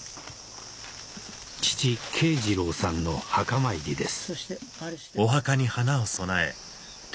父慶次郎さんの墓参りです